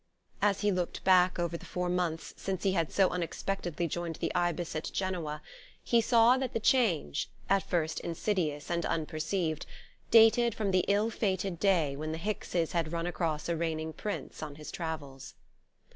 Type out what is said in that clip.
As he looked back over the four months since he had so unexpectedly joined the Ibis at Genoa, he saw that the change, at first insidious and unperceived, dated from the ill fated day when the Hickses had run across a Reigning Prince on his travels.